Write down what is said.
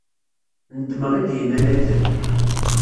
Nedmeɣ i d-yennan akken.